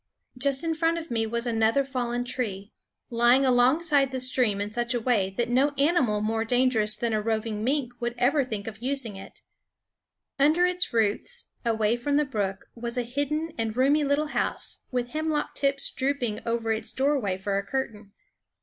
Just in front of me was another fallen tree, lying along side the stream in such a way that no animal more dangerous tree, THE WOODS 9 than a roving mink would ever think of using it Under its roots, away from the ~ r .,/^ r u jj j 1 4.4.1 i, whar me fawns brook, was a hidden and roomy little house, ^, with hemlock tips drooping over its doorway ^ for a curtain.